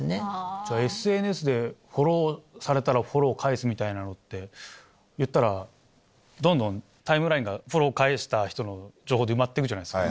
じゃあＳＮＳでフォローされたらフォロー返すみたいなのって言ったらどんどんタイムラインがフォローを返した人の情報で埋まって行くじゃないですか。